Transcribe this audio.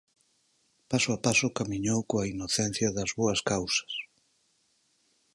Paso a paso camiñou coa inocencia das boas causas.